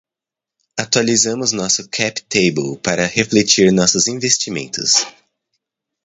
Atualizamos nosso cap table para refletir novos investimentos.